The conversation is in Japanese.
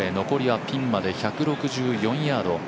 残りはピンまで１６４ヤード。